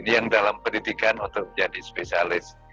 yang dalam pendidikan untuk menjadi spesialis